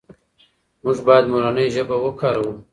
موږ باید مورنۍ ژبه وکاروو.